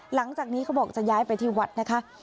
หลังจากนี้เขาบอกจะย้ายไปที่วัดนะคะ